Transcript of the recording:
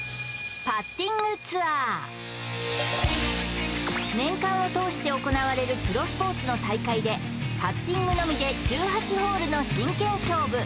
それが年間を通して行われるプロスポーツの大会でパッティングのみで１８ホールの真剣勝負